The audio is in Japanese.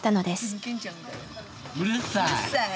うるさい！